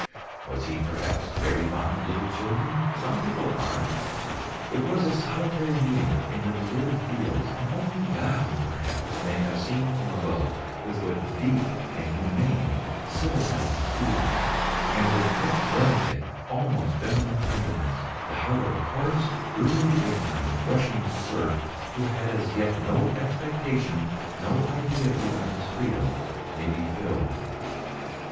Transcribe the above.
Was he, perhaps, very fond of little children? Some people are. It was a solitary meeting in the deserted fields, and only God, perhaps, may have seen from above with what deep and humane civilised feeling, and with what delicate, almost feminine tenderness, the heart of a coarse, brutally ignorant Russian serf, who had as yet no expectation, no idea even of his freedom, may be filled.